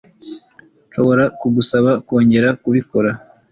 Nshobora kugusaba kongera kubikora